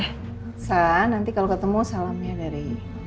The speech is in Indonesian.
nah nanti kalau ketemu salamnya dari